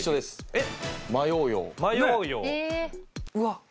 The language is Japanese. えっ！？